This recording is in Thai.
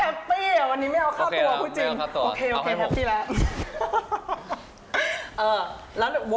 แฮปปี้เหรอวันนี้ไม่เอาค่าตัวครับครับจริงไม่เอาค่าตัว